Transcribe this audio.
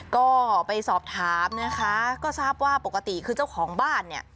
ก็ไปสอบถามนะคะก็ทราบว่าปกติคือเจ้าของบ้านเนี่ย